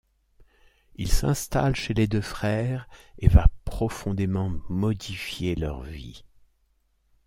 Il s'installe chez les deux frères et va profondément modifier leur vie...